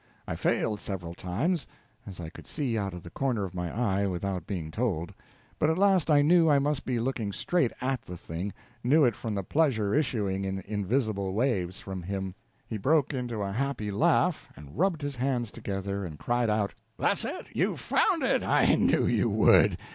I failed several times, as I could see out of the corner of my eye without being told; but at last I knew I must be looking straight at the thing knew it from the pleasure issuing in invisible waves from him. He broke into a happy laugh, and rubbed his hands together, and cried out: "That's it! You've found it. I knew you would.